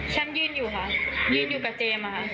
แชมป์ยื่นอยู่หะ